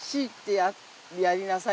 やめなさい！